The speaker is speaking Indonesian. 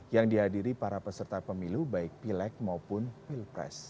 yang dihadiri para peserta pemilu baik pileg maupun pilpres